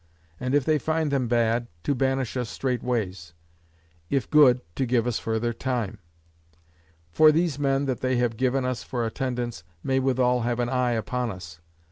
And if they find them bad, to banish us straightways; if good, to give us further time. For these men that they have given us for attendance, may withal have an eye upon us.